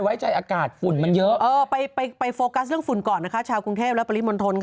ที่จำที่เราคุยกันก่อนที่ปิด